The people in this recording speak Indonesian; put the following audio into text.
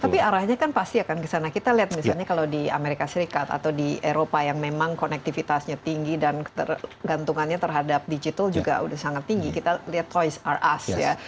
tapi arahnya kan pasti akan kesana kita lihat misalnya kalau di amerika serikat atau di eropa yang memang konektivitasnya tinggi dan ketergantungannya terhadap digital juga sudah sangat tinggi kita lihat toys rs ya